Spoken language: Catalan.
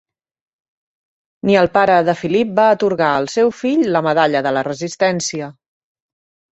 Ni el pare de Philippe va atorgar el seu fill la Medalla de la resistència.